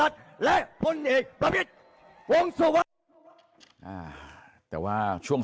ถามเพื่อให้แน่ใจ